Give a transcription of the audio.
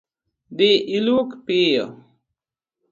Dhii iluok piyo